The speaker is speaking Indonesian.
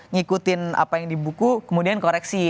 ngikutin apa yang di buku kemudian koreksi